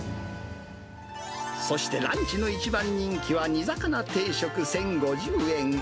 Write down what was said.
そしてランチの一番人気は、煮魚定食１０５０円。